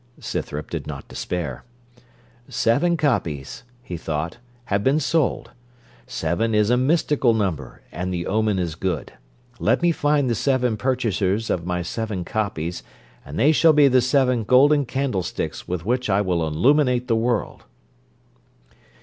Scythrop did not despair. 'Seven copies,' he thought, 'have been sold. Seven is a mystical number, and the omen is good. Let me find the seven purchasers of my seven copies, and they shall be the seven golden candle sticks with which I will illuminate the world.'